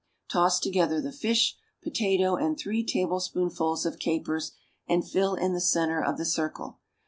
Toss together the fish, potato and three tablespoonfuls of capers, and fill in the centre of the circle.